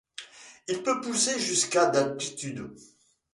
Il peut pousser jusqu'à d'altitude.